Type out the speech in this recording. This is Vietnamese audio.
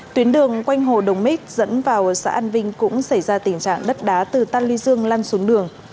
tuyến đường quanh hồ đồng mít dẫn vào xã an vinh cũng xảy ra tình trạng đất đá từ tan ly dương lan xuống đường